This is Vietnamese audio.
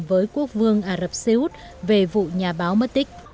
với quốc vương ả rập xê út về vụ nhà báo mất tích